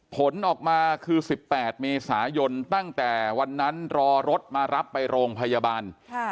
ผลออกมาคือ๑๘เมษายนตั้งแต่วันนั้นรอรถมารับไปโรงพยาบาล